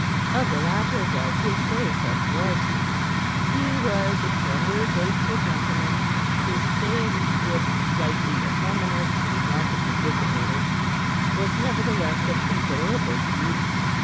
Of the latter was his Grace of Wharton. He was a slender, graceful gentleman, whose face, if slightly effeminate and markedly dissipated, was nevertheless of considerable beauty.